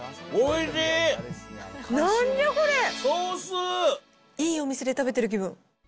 いいお店で食べてる気分。